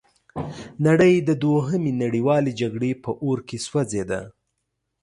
نړۍ د دوهمې نړیوالې جګړې په اور کې سوځیده.